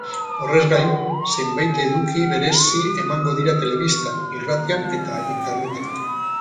Horrez gain, zenbait eduki berezi emango dira telebistan, irratian eta interneten.